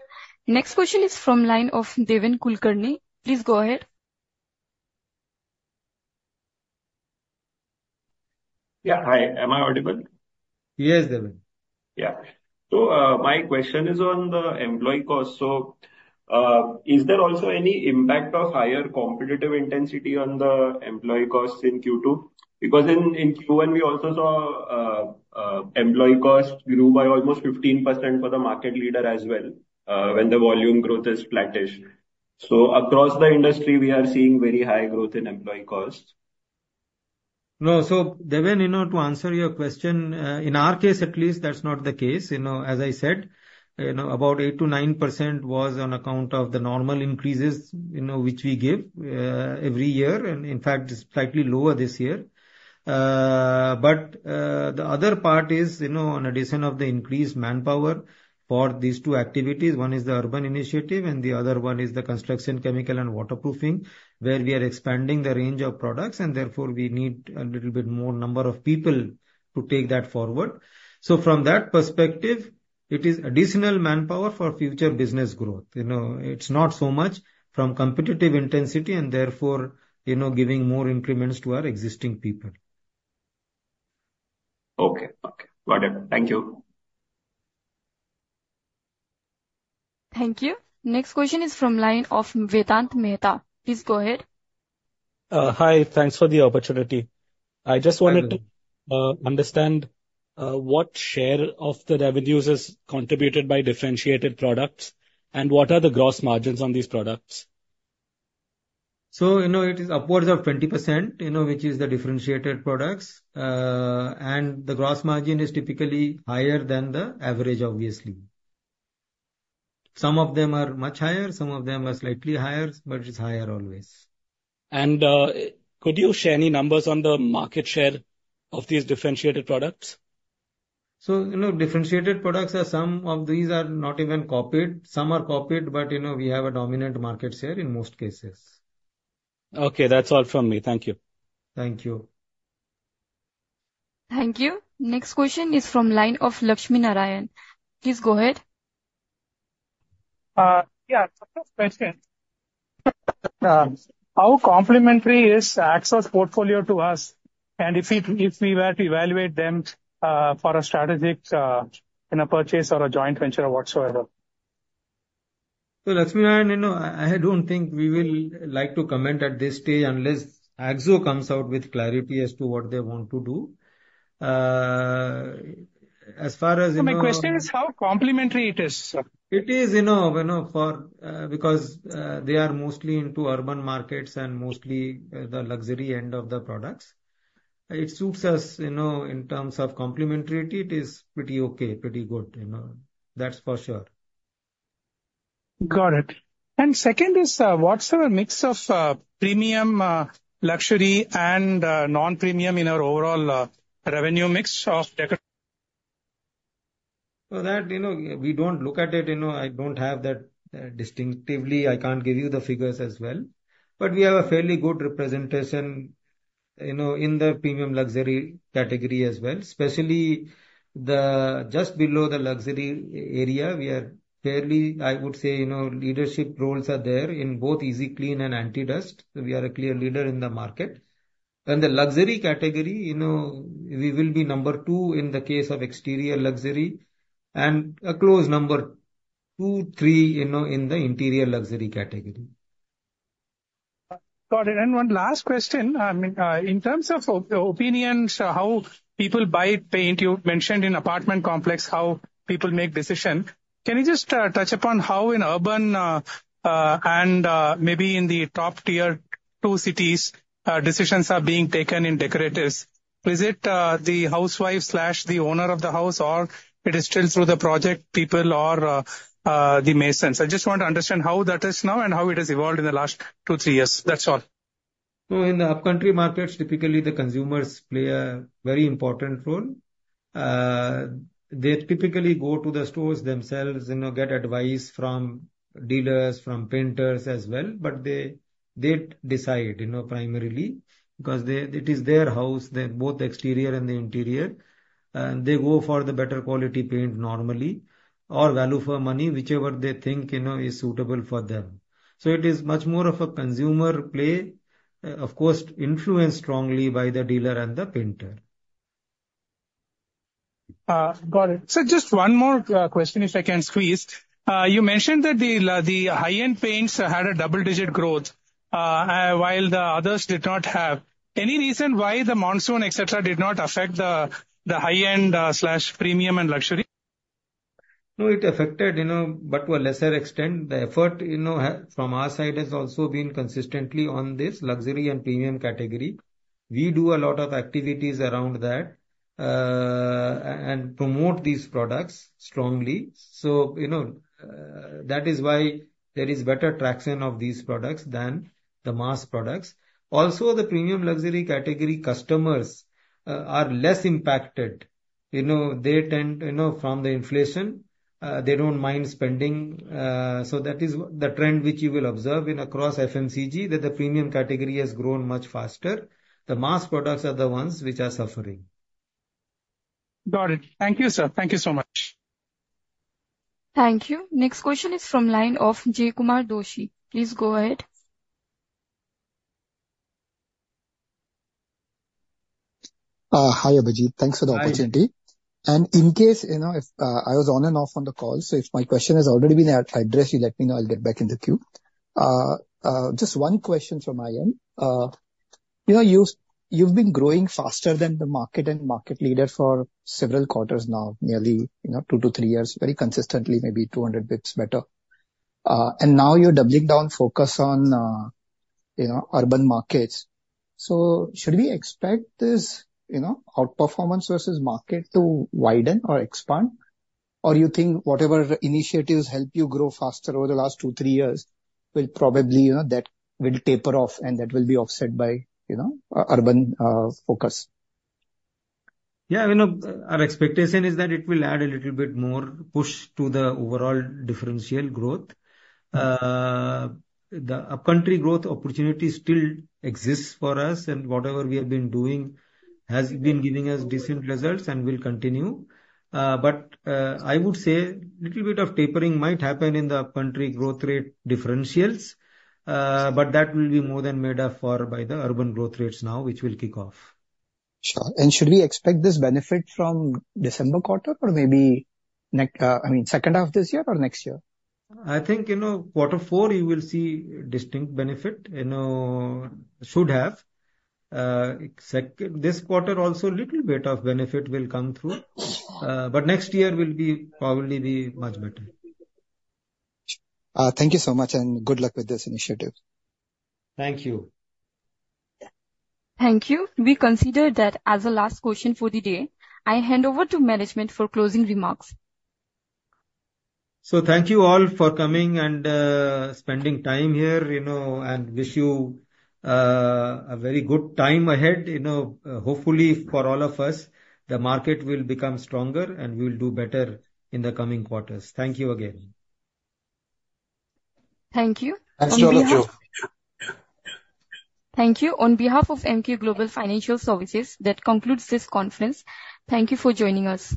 Next question is from line of Deven Kulkarni. Please go ahead. Yeah. Hi. Am I audible? Yes, Deven. Yeah. So my question is on the employee cost. So is there also any impact of higher competitive intensity on the employee costs in Q2? Because in Q1, we also saw employee costs grew by almost 15% for the market leader as well when the volume growth is flattish. So across the industry, we are seeing very high growth in employee costs. No. Deven, to answer your question, in our case, at least, that's not the case. As I said, about 8%-9% was on account of the normal increases which we give every year. And in fact, it's slightly lower this year. But the other part is on addition of the increased manpower for these two activities. One is the urban initiative, and the other one is the construction chemicals, and waterproofing, where we are expanding the range of products. And therefore, we need a little bit more number of people to take that forward. So from that perspective, it is additional manpower for future business growth. It's not so much from competitive intensity and therefore giving more increments to our existing people. Okay. Okay. Got it. Thank you. Thank you. Next question is from line of Vedant Mehta. Please go ahead. Hi. Thanks for the opportunity. I just wanted to understand what share of the revenues is contributed by differentiated products and what are the gross margins on these products? So it is upwards of 20%, which is the differentiated products. And the gross margin is typically higher than the average, obviously. Some of them are much higher. Some of them are slightly higher, but it's higher always. And could you share any numbers on the market share of these differentiated products? So differentiated products, some of these are not even copied. Some are copied, but we have a dominant market share in most cases. Okay. That's all from me. Thank you. Thank you. Thank you. Next question is from line of Lakshminarayanan. Please go ahead. Yeah. First question. How complementary is Akzo portfolio to us? And if we were to evaluate them for a strategic purchase or a joint venture or whatsoever? So Lakshminarayanan, I don't think we will like to comment at this stage unless Akzo comes out with clarity as to what they want to do. As far as. My question is, how complementary it is? It is because they are mostly into urban markets and mostly the luxury end of the products. It suits us in terms of complementarity. It is pretty okay, pretty good. That's for sure. Got it. And second is, what's the mix of premium, luxury, and non-premium in our overall revenue mix, So that we don't look at it. I don't have that distinctively. I can't give you the figures as well. But we have a fairly good representation in the premium luxury category as well, especially just below the luxury area. We are fairly, I would say, leadership roles are there in both Easy Clean and Anti Dustt. We are a clear leader in the market. In the luxury category, we will be number two in the case of exterior luxury and a close number two, three in the interior luxury category. Got it. One last question. In terms of opinions, how people buy paint, you mentioned in apartment complex, how people make decision. Can you just touch upon how in urban and maybe in the top tier two cities decisions are being taken in decoratives? Is it the housewife, the owner of the house, or it is still through the project people or the masons? I just want to understand how that is now and how it has evolved in the last two, three years. That's all. In the upcountry markets, typically the consumers play a very important role. They typically go to the stores themselves, get advice from dealers, from painters as well. But they decide primarily because it is their house, both the exterior and the interior. And they go for the better quality paint normally or value for money, whichever they think is suitable for them. So it is much more of a consumer play, of course, influenced strongly by the dealer and the painter. Got it. So just one more question, if I can squeeze. You mentioned that the high-end paints had a double-digit growth while the others did not have. Any reason why the monsoon, etc., did not affect the high-end/premium and luxury? No, it affected, but to a lesser extent. The effort from our side has also been consistently on this luxury and premium category. We do a lot of activities around that and promote these products strongly. So that is why there is better traction of these products than the mass products. Also, the premium luxury category customers are less impacted. They tend, from the inflation, they don't mind spending. So that is the trend which you will observe across FMCG that the premium category has grown much faster. The mass products are the ones which are suffering. Got it. Thank you, sir. Thank you so much. Thank you. Next question is from line of Jaykumar Doshi. Please go ahead. Hi, Abhijit. Thanks for the opportunity. And in case I was on and off on the call, so if my question has already been addressed, you let me know. I'll get back in the queue. Just one question from my end. You've been growing faster than the market and market leader for several quarters now, nearly two to three years, very consistently, maybe 200 basis points better. And now you're doubling down focus on urban markets. So should we expect this outperformance versus market to widen or expand? Or you think whatever initiatives help you grow faster over the last two, three years will probably taper off and that will be offset by urban focus? Yeah. Our expectation is that it will add a little bit more push to the overall differential growth. The upcountry growth opportunity still exists for us, and whatever we have been doing has been giving us decent results and will continue. But I would say a little bit of tapering might happen in the upcountry growth rate differentials, but that will be more than made up for by the urban growth rates now, which will kick off. Sure. And should we expect this benefit from December quarter or maybe, I mean, second half this year or next year? I think quarter four, you will see distinct benefit. Should have. This quarter also, a little bit of benefit will come through. But next year will probably be much better. Thank you so much and good luck with this initiative. Thank you. Thank you. We consider that as a last question for the day. I hand over to management for closing remarks. So thank you all for coming and spending time here and wish you a very good time ahead. Hopefully, for all of us, the market will become stronger and we will do better in the coming quarters. Thank you again. Thank you. Thank you. Thank you. On behalf of Emkay Global Financial Services, that concludes this conference. Thank you for joining us.